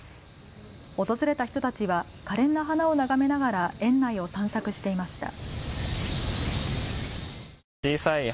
訪れた人たちはかれんな花を眺めながら園内を散策していました。